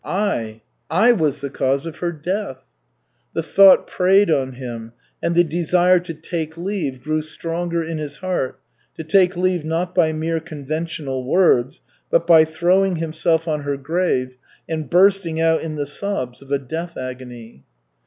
I, I was the cause of her death!" The thought preyed on him, and the desire to "take leave" grew stronger in his heart, to take leave not by mere conventional words, but by throwing himself on her grave and bursting out in the sobs of a death agony.